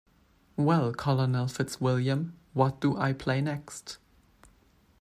Well, Colonel Fitzwilliam, what do I play next?